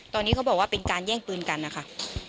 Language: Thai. ตอนนี้เขาบอกว่าเป็นการแย่งปืนกันนะคะ